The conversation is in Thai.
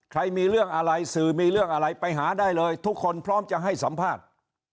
ใครมีเรื่องอะไรสื่อมีเรื่องอะไรไปหาได้เลยทุกคนพร้อมจะให้สัมภาษณ์